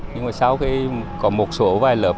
nhưng mà sau khi có một số vài lớp